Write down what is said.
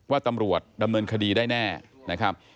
ว่าตำรวจดำเนินคดีได้แน่นะครับ